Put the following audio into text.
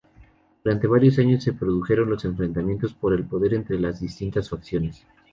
Durante varios años se produjeron enfrentamientos por el poder entre las distintas facciones.